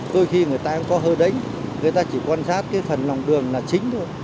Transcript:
đôi khi người ta có hơ đánh người ta chỉ quan sát cái phần lòng đường là chính thôi